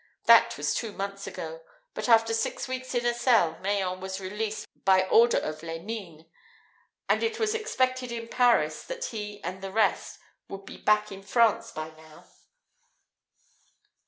That was two months ago. But after six weeks in a cell, Mayen was released by order of Lenine; and it was expected in Paris that he and the rest would be back in France by now.